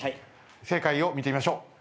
正解を見てみましょう。